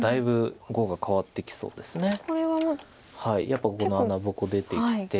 やっぱこの穴ぼこ出てきて。